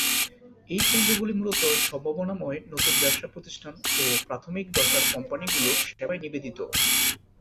এই কেন্দ্রগুলি মূলত সম্ভাবনাময় নতুন ব্যবসা প্রতিষ্ঠান ও প্রাথমিক দশার কোম্পানিগুলির সেবায় নিবেদিত।